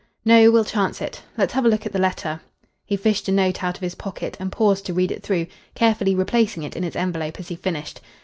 "No, we'll chance it. Let's have a look at the letter." He fished a note out of his pocket and paused to read it through, carefully replacing it in its envelope as he finished.